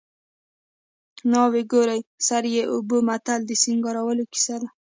ناوې ګوره سر یې اوبه متل د سینګارولو کیسه ده